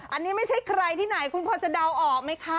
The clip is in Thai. อันนี้ไม่ใช่ใครที่ไหนคุณพอจะเดาออกไหมคะ